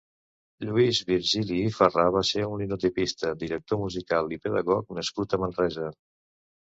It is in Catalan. Lluís Virgili i Farrà va ser un linotipista, director musical i pedagog nascut a Manresa.